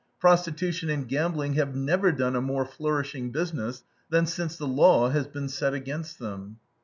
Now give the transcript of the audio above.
Prostitution and gambling have never done a more flourishing business than since the law has been set against them.